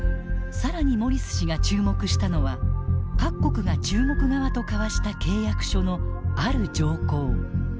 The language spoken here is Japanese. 更にモリス氏が注目したのは各国が中国側と交わした契約書のある条項。